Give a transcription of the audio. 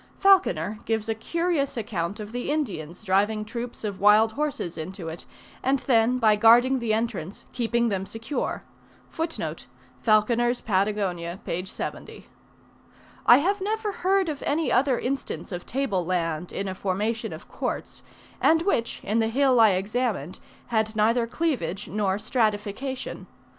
Falconer gives a curious account of the Indians driving troops of wild horses into it, and then by guarding the entrance, keeping them secure. I have never heard of any other instance of table land in a formation of quartz, and which, in the hill I examined, had neither cleavage nor stratification.